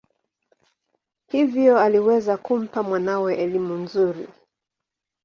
Hivyo aliweza kumpa mwanawe elimu nzuri.